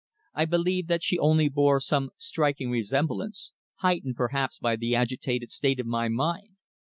I believe that she only bore some striking resemblance, heightened, perhaps, by the agitated state of my mind.